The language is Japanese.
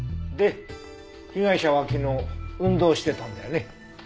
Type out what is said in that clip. で被害者は昨日運動してたんだよね？